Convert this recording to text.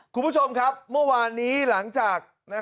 คุณผู้ชมครับเมื่อวานนี้หลังจาก